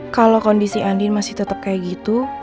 kalau kondisi andin masih tetap kayak gitu